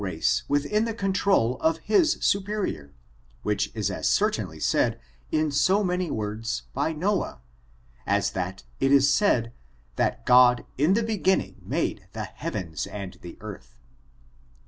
1^ race within the control of his superior, which is as cer tainly said in so many words, by Noah, as that it is said that God in the beginning made the heavens and the earth.